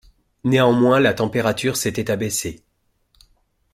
Néanmoins la température s’était abaissée.